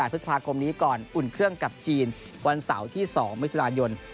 พฤษภาคมนี้ก่อนอุ่นเครื่องกับจีนวันเสาร์ที่๒มิถุนายน